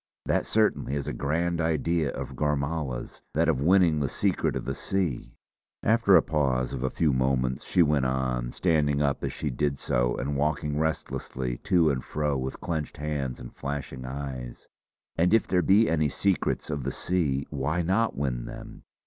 That certainly is a grand idea of Gormala's, that of winning the Secret of the Sea!" After a pause of a few moments she went on, standing up as she did so and walking restlessly to and fro with clenched hands and flashing eyes: "And if there be any Secrets of the Sea why not win them?